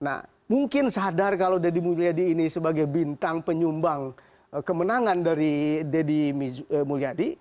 nah mungkin sadar kalau deddy mulyadi ini sebagai bintang penyumbang kemenangan dari deddy mulyadi